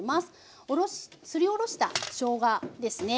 すりおろしたしょうがですね。